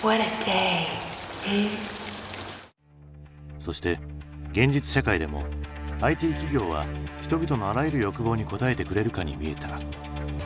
そして現実社会でもＩＴ企業は人々のあらゆる欲望に応えてくれるかにみえた。